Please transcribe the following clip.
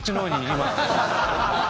今。